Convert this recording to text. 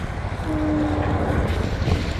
Soda baridi si nzuri kwa mtoto